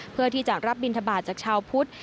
เพื่อที่จะรับบินทบาทจากชาวพุทธ